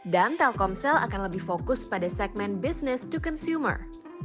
dan telkomsel akan lebih fokus pada segmen business to consumer